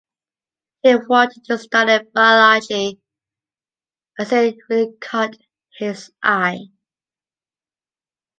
He wanted to study Biology, as it really caught his eye.